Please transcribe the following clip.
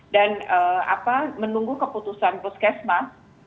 dan menunggu keputusan puskesmas